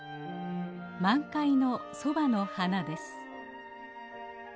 満開のソバの花です。